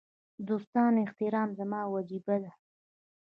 د دوستانو احترام زما وجیبه ده.